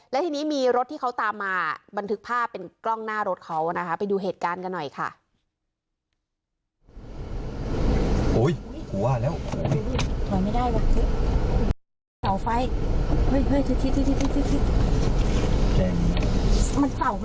และทีนี้มีรถที่เขาตามมาบันทึกภาพเป็นกล้องหน้ารถเขานะคะไปดูเหตุการณ์กันหน่อยค่ะ